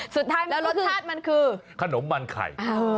สุดท้ายแล้วรสชาติมันคือขนมมันไข่